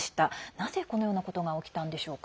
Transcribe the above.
なぜこのようなことが起きたのでしょうか？